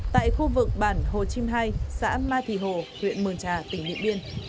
tại khu vực bản hồ chim hai xã ma thị hồ huyện mường trà tỉnh điện biên